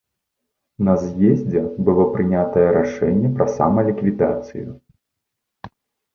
На з'ездзе было прынятае рашэнне пра самаліквідацыю.